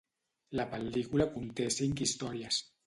La pel·lícula conté cinc històries.